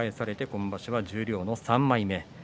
今場所は十両３枚目です。